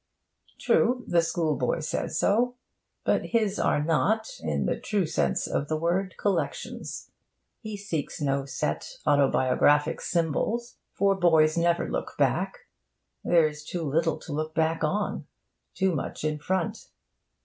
True, the schoolboy says so; but his are not, in the true sense of the word, collections. He seeks no set autobiographic symbols, for boys never look back there is too little to look back on, too much in front.